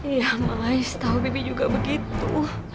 ya malah istahu bibi juga begitu